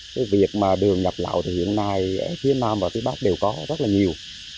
cái việc mà đường nhập lạo thì hiện nay phía nam và phía bắc đều có rất là nhiều